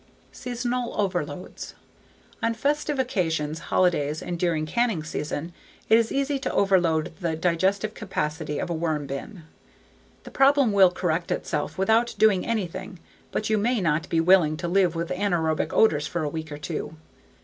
Seasonal Overloads On festive occasions, holidays, and during canning season it is easy to overload the digestive capacity of a worm bin. The problem will correct itself without doing anything but you may not be willing to live with anaerobic odors for a week or two.